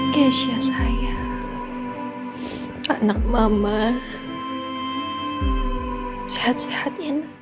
kezia saya anak mama sehat sehat